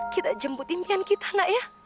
kita jemput impian kita nak ya